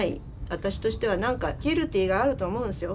私としては何かギルティーがあると思うんですよ。